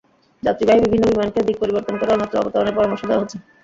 যাত্রীবাহী বিভিন্ন বিমানকে দিক পরিবর্তন করে অন্যত্র অবতরণের পরামর্শ দেওয়া হচ্ছে।